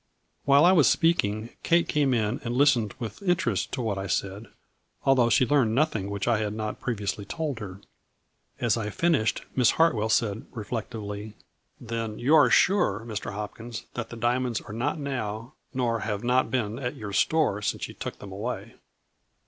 While I was speaking Kate came in and listened with inter est to what I said, although she learned nothing which I had not previously told her. As I fin ished, Miss Hartwell said, reflectively : A FLURRY IN DIAMONDS. 145 " Then you are sure, Mr. Hopkins, that the diamonds are not now, nor have not been at your store since you took them away?